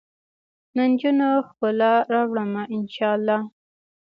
نجونو ؛ ښکلا راوړمه ، ان شا اللهدا